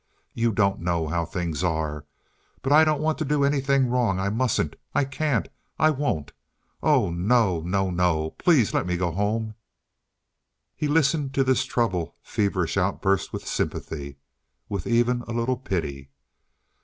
You don't know how things are. But I don't want to do anything wrong. I mustn't. I can't. I won't. Oh, no! no!! no!!! Please let me go home." He listened to this troubled, feverish outburst with sympathy, with even a little pity.